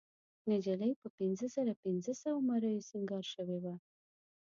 نجلۍ په پينځهزرهپینځهسوو مریو سینګار شوې وه.